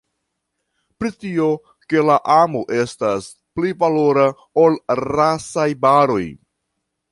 Pri tio, ke la amo estas pli valora, ol rasaj baroj.